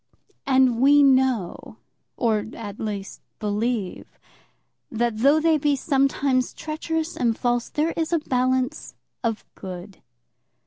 And we know or, at least, believe, that though they be sometimes treacherous and false, there is a balance of good.